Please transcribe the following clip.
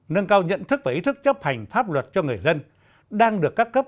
nâng cao nhận thức và ý thức chấp hành pháp luật cho người dân đang được các cấp